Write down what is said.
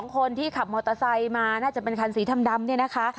คนที่ขับมอเตอร์ไซค์มาน่าจะเป็นคันสีดำเนี่ยนะคะ